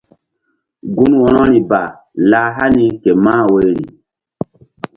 Gun wo̧rori ba lah hani ke mah woyri.